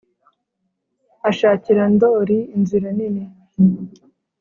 ashakira ndori inzira nini